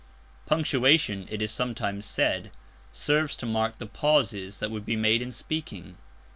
Punctuation, it is sometimes said, serves to mark the pauses that would be made in speaking.